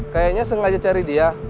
kayaknya sengaja cari dia